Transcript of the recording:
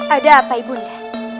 ada apa ibu nda